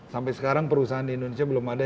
sampai sekarang perusahaan di indonesia belum ada